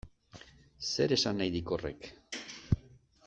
Zer esan nahi dik horrek?